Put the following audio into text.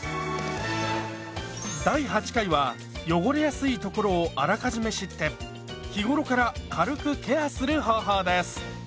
第８回は汚れやすい所をあらかじめ知って日頃から軽くケアする方法です。